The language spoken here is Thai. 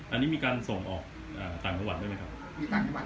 อันนี้มีการส่งออกต่างครัวหรือเป็นไงครับ